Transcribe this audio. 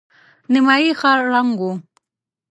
نيمايي ښار ړنګ و.